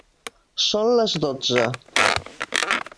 Són les dotze.